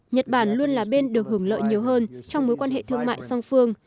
nhật bản luôn là bên được hưởng lợi nhiều hơn